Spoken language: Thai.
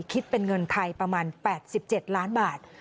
คิดเป็นเงินไทยประมาณ๘๗ล้านบาท